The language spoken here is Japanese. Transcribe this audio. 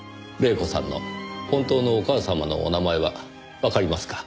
黎子さんの本当のお母様のお名前はわかりますか？